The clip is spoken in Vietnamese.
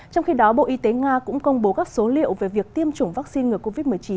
trong khi đó bộ y tế nga cũng công bố các số liệu về việc tiêm chủng vaccine ngừa covid một mươi chín